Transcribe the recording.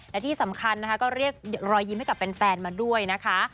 และที่สำคัญนะคะก็เรียกรอยยิ้มให้กับแฟนมาด้วยนะคะ